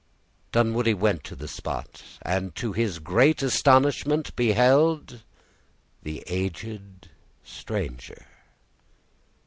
Dunwoodie went to the spot, and to his astonishment beheld the aged stranger.